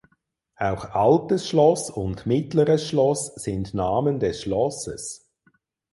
Auch "Altes Schloss" und "Mittleres Schloss" sind Namen des Schlosses.